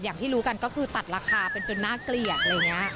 อย่างที่รู้กันก็คือตัดราคาเป็นจนน่าเกลียดอะไรอย่างนี้